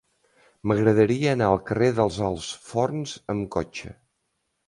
M'agradaria anar al carrer dels Alts Forns amb cotxe.